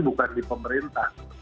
bukan di pemerintah